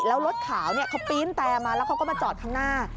แล้วรถขาวเขาปีนแต่มาแล้วเขาก็มาจอดข้างหน้า